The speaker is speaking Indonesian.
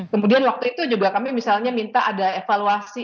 kemudian waktu itu juga kami misalnya minta ada evaluasi